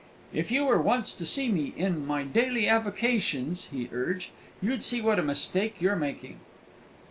"If you were once to see me in my daily avocations," he urged, "you'd see what a mistake you're making."